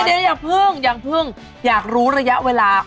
เดี๋ยวอย่าเพิ่งอยากรู้ระยะเวลา